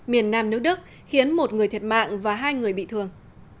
miền nam nước đức khiến một người thiệt mạng và hai người bị thương